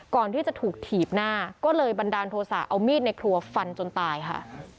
ก่อนที่จะถูกถีบหน้าก็เลยบันดาลโทษะเอามีดในครัวฟันจนตายค่ะ